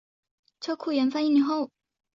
车库研发一年后